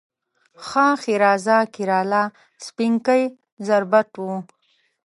ښه ښېرازه کیراله، سپینکۍ زربټ و